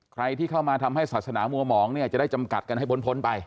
ใครที่เข้ามาทำให้ศาสนามัวหมองเนี่ยจะได้จำกัดกันให้พ้นไป